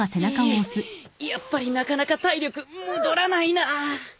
やっぱりなかなか体力戻らないな。